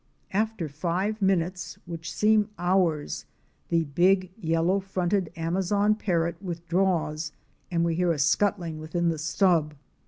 After five minutes, which seem hours, the big Yellow fronted Amazon Parrot "! withdraws, and we hear a scuttling within the stub.